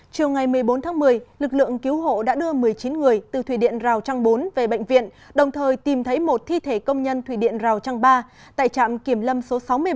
chiều ngày một mươi bốn tháng một mươi lực lượng cứu hộ đã đưa một mươi chín người từ thủy điện rào trăng bốn về bệnh viện đồng thời tìm thấy một thi thể công nhân thủy điện rào trăng ba tại trạm kiểm lâm số sáu mươi bảy